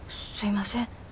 すいません。